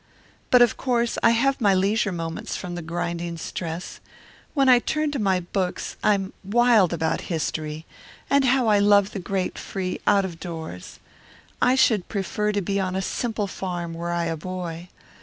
"But of course I have my leisure moments from the grinding stress. Then I turn to my books I'm wild about history. And how I love the great free out of doors! I should prefer to be on a simple farm, were I a boy.